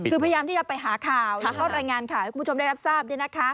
คือพยายามที่จะไปหาข่าวแล้วก็รายงานข่าวให้คุณผู้ชมได้รับทราบ